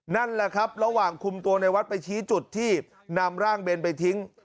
นั่นแหละครับระหว่างคุมตัวในวัดไปชี้จุดที่นำร่างเบนไปทิ้ง